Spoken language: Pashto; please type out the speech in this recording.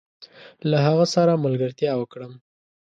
له هغه سره ملګرتيا وکړم؟